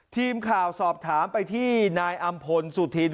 ทีมข่าวสอบถามไปที่นายอำพลสุธิน